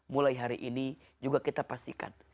mulai hari ini juga kita pastikan